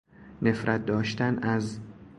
نفرت داشتن از